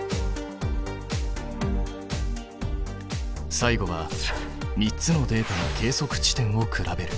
最後は３つのデータの計測地点を比べる。